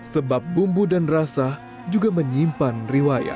sebab bumbu dan rasa juga menyimpan riwayat